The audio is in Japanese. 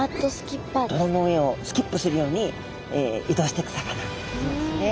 泥の上をスキップするように移動していく魚。